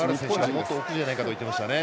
もっと奥じゃないかと言ってましたね。